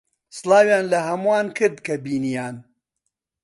سڵاویان لە ھەمووان کرد کە بینییان.